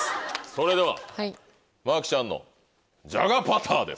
それでは麻貴ちゃんのじゃがパターです！